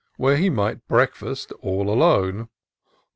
Where he might breakfast all alone.